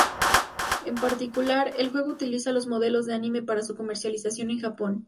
En particular, el juego utiliza los modelos de anime para su comercialización en Japón.